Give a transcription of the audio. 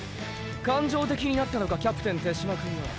感情的になったのかキャプテン手嶋くんは。